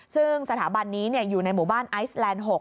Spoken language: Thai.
ซึ่งสถาบันนี้อยู่ในหมู่บ้านไอซแลนด์๖